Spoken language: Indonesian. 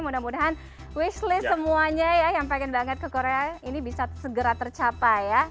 mudah mudahan wish list semuanya ya yang pengen banget ke korea ini bisa segera tercapai ya